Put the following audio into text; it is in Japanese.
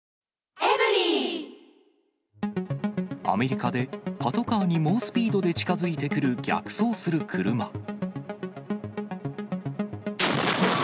アメリカで、パトカーに猛スピードで近づいてくる逆走する車。